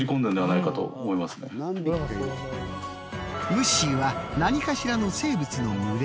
ムッシーは何かしらの生物の群れ。